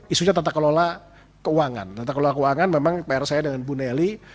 isunya tata kelola keuangan tata kelola keuangan memang pr saya dengan bu neli